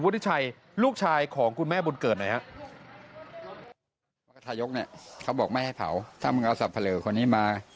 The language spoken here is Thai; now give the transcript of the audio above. ที่เขากลัวก็คือเรื่องเตาจะพังอะไรอย่างนี้